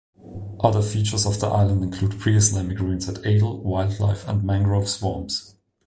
Other features of the island include pre-Islamic ruins at Adel, wildlife and mangrove swamps.